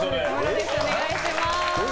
よろしくお願いします。